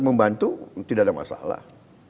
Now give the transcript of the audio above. membantu tidak ada masalah